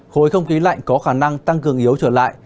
khối không khí lạnh có khả năng tăng cường yếu trở lại